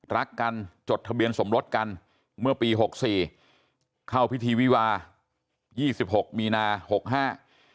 รักกันจดทะเบียนสมรสกันเมื่อปีหกสี่เข้าพิธีวิวายี่สิบหกมีนาหกห้า